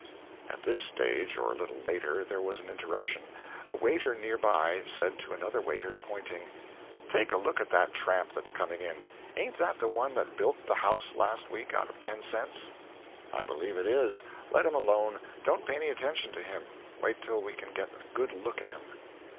At this stage or a little later there was an interruption. A waiter near by said to another waiter, pointing, "Take a look at that tramp that's coming in. Ain't that the one that bilked the house, last week, out of ten cents?" "I believe it is. Let him alone don't pay any attention to him; wait till we can get a good look at him."